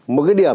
một cái điểm